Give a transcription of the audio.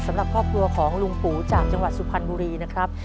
สำหรับครอบครัวของลุงปู่จากจังหวัดสุพรรณบุรีนะครับ